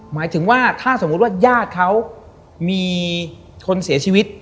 หมายถึงว่าถ้าสมมุติว่าญาติเขามีคนเสียชีวิต